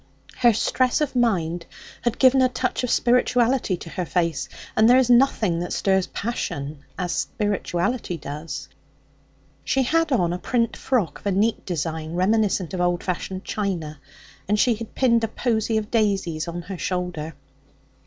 Her stress of mind had given a touch of spirituality to her face, and there is nothing that stirs passion as spirituality does. She had on a print frock of a neat design reminiscent of old fashioned china, and she had pinned a posy of daisies on her shoulder.